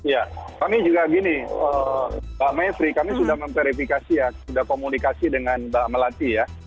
ya kami juga gini mbak mevri kami sudah memverifikasi ya sudah komunikasi dengan mbak melati ya